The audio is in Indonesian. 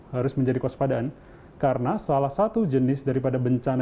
harus menjadi kewaspadaan karena salah satu jenis daripada bencana